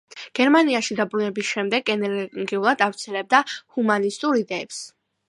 გერმანიაში დაბრუნების შემდეგ ენერგიულად ავრცელებდა ჰუმანისტურ იდეებს.